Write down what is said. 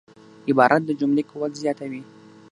عبارت د جملې قوت زیاتوي.